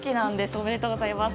おめでとうございます。